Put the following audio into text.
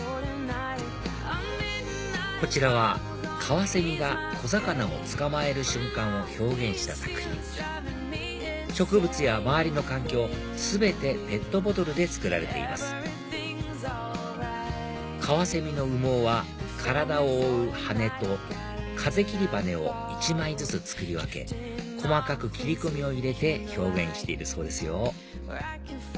こちらはカワセミが小魚を捕まえる瞬間を表現した作品植物や周りの環境全てペットボトルで作られていますカワセミの羽毛は体を覆う羽と風切り羽を１枚ずつ作り分け細かく切り込みを入れて表現しているそうですよ